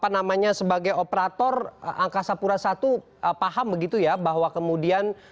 pak pura satu paham begitu ya bahwa kemudian sebagai operator angkasa pura satu paham begitu ya bahwa kemudian